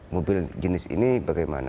mobil jenis ini bagaimana